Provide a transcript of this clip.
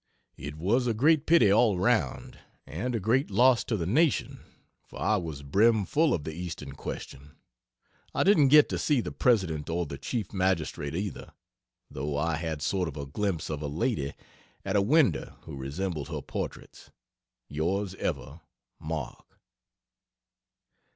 It was a great pity all round, and a great loss to the nation, for I was brim full of the Eastern question. I didn't get to see the President or the Chief Magistrate either, though I had sort of a glimpse of a lady at a window who resembled her portraits. Yrs ever, MARK.